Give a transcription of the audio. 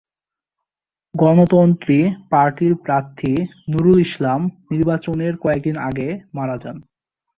গণতন্ত্রী পার্টির প্রার্থী নুরুল ইসলাম নির্বাচনের কয়েকদিন আগে মারা যান।